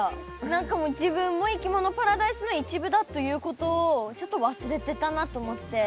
何か自分もいきものパラダイスの一部だということをちょっと忘れてたなと思って。